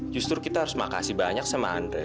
justru kita harus makasih banyak sama andre